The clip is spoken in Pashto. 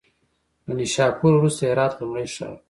له نیشاپور وروسته هرات لومړی ښار و.